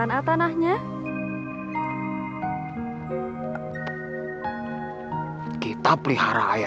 memanjang sampai kesana